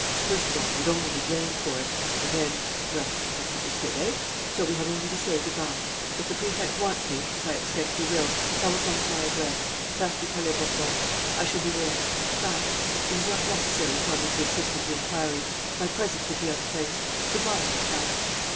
First of all, you'd only be blamed for it. And then ... well, that's understood, eh? So we have only to say good bye. "If the Prefect wants me, as I expect he will, telephone to my address, Place du Palais Bourbon. I shall be there. Good bye. It is not necessary for me to assist at the inquiry; my presence would be out of place. Good bye, old chap."